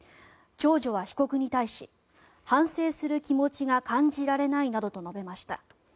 長女は被告に対し反省する気持ちが感じられないなどと述べました。